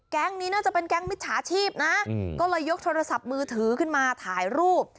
นี้น่าจะเป็นแก๊งมิจฉาชีพนะก็เลยยกโทรศัพท์มือถือขึ้นมาถ่ายรูป